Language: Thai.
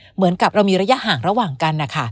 เหมือนกับเรามีระยะห่างระหว่างกันนะคะ